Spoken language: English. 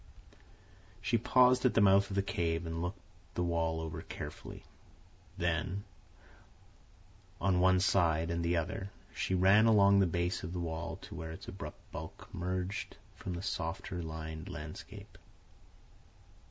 She paused at the mouth of the cave and looked the wall over carefully. Then, on one side and the other, she ran along the base of the wall to where its abrupt bulk merged from the softer lined landscape.